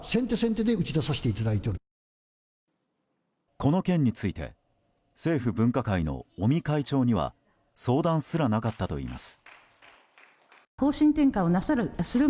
この件について政府分科会の尾身会長には相談すらなかったといいます。